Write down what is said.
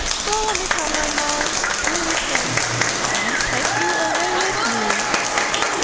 So I made up my mind to return, and take you away with me."